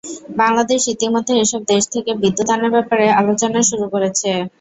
বাংলাদেশ ইতিমধ্যে এসব দেশ থেকে বিদ্যুৎ আনার ব্যাপারে আলোচনা শুরু করেছে।